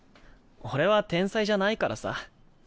俺は天才じゃないからさ。